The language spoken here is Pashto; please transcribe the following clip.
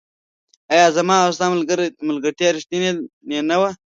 آيا زما او ستا ملګرتيا ريښتيني نه وه